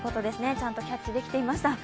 ちゃんとキャッチできていました。